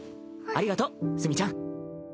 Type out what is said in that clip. ありがとう墨ちゃん。